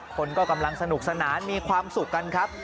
คนก็กำลังสนุกสนานมีความสุขกันครับ